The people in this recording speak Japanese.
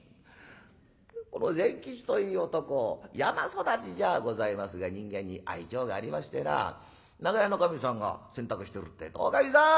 この善吉という男山育ちじゃございますが人間に愛きょうがありましてな長屋のかみさんが洗濯してるってえと「おかみさん